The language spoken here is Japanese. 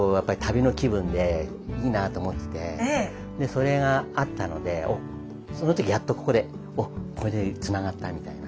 それがあったのでその時やっとここでおっこれでつながったみたいな。